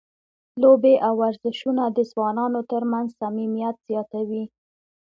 لوبې او ورزشونه د ځوانانو ترمنځ صمیمیت زیاتوي.